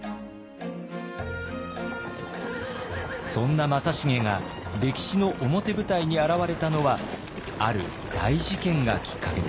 そんな正成が歴史の表舞台に現れたのはある大事件がきっかけでした。